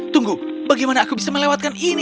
tunggu bagaimana aku bisa melewatkan ini